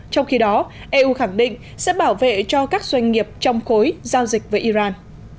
trong khi đó eu khẳng định sẽ bảo vệ cho các doanh nghiệp trong khối giao dịch với iran